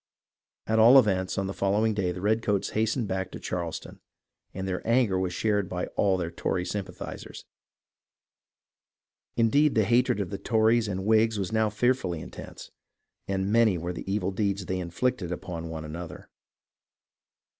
At all events, on the following day the redcoats hastened back to Charleston, and their anger was shared by all their Tory sympathizers. Indeed, the hatred of the Tories and Whigs was now fearfully intense, and many were the evil deeds they inflicted upon one another.